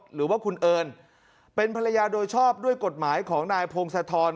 หรือว่าคุณเอิญเป็นภรรยาโดยชอบด้วยกฎหมายของนายพงศธร